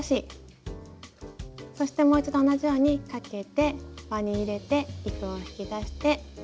そしてもう一度同じようにかけて輪に入れて糸を引き出して。